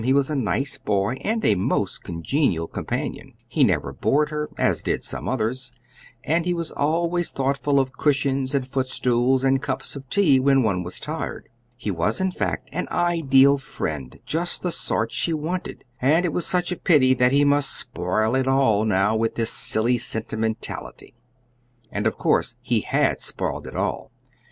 He was a nice boy, and a most congenial companion. He never bored her, as did some others; and he was always thoughtful of cushions and footstools and cups of tea when one was tired. He was, in fact, an ideal friend, just the sort she wanted; and it was such a pity that he must spoil it all now with this silly sentimentality! And of course he had spoiled it all.